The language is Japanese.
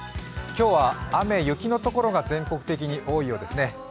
今日は雨、雪の所が全国的に多いようですね。